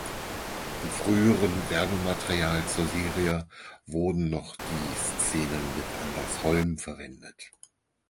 In früheren Werbematerial zur Serie wurden noch die Szenen mit Anders Holm verwendet.